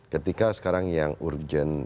ketika sekarang yang urgent